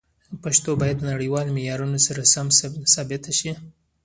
پښتو باید د نړیوالو معیارونو سره سم ثبت شي.